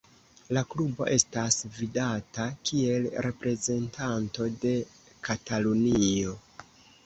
La klubo estas vidata kiel reprezentanto de Katalunio.